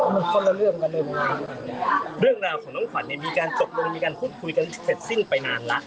มันคนละเรื่องกันเลยเหมือนกันเรื่องราวของน้องขวัญเนี่ยมีการตกลงมีการพูดคุยกันเสร็จสิ้นไปนานแล้ว